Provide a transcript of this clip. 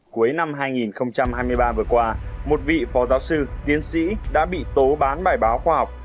cuối năm hai nghìn hai mươi ba vừa qua một vị phó giáo sư tiến sĩ đã bị tố bán bài báo khoa học